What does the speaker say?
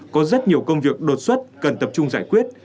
có rất nhiều công việc đột xuất cần tập trung giải quyết